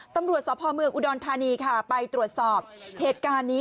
ตำรวจสพเมืองอุดรธานีค่ะไปตรวจสอบเหตุการณ์นี้